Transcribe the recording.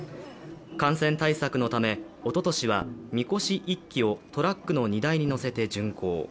感染対策のため、おととしはみこし１基をトラックの荷台に載せて巡行。